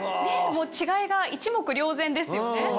違いが一目瞭然ですよね。